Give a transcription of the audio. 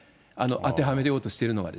あてはめようとしているのが。